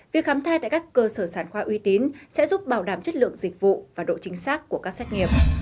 việc khám thai tại các cơ sở sản khoa uy tín sẽ giúp bảo đảm chất lượng dịch vụ và độ chính xác của các xét nghiệm